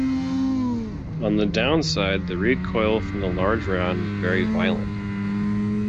On the downside the recoil from the large round was very violent.